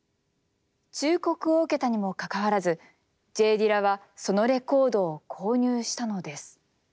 忠告を受けたにもかかわらずＪ・ディラはそのレコードを購入したのです。